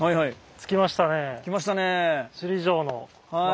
着きましたね。